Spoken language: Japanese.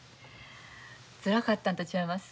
つらかったんと違います？